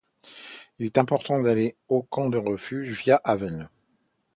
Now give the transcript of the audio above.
Il est impossible d'aller au Camp de Refuge via Haven.